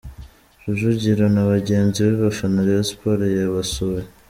Rujugiro na bagenzi be bafana Rayon Sports yabasuye.